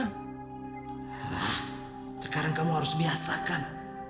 nah sekarang kamu harus biasakan